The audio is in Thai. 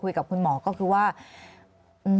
อันดับที่สุดท้าย